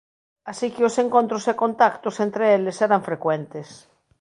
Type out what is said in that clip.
Así que os encontros e contactos entre eles eran frecuentes.